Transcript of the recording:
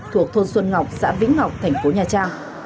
thuộc thôn xuân ngọc xã vĩnh ngọc thành phố nha trang